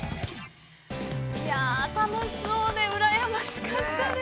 ◆いや、楽しそうで、うらやましかったです。